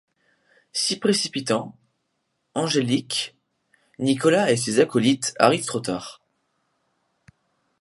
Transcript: S'y précipitant, Angélique, Nicolas et ses acolytes arrivent trop tard.